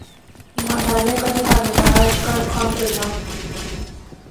ایمانداریا کنے کاروباری اج کل کھان چلنا؟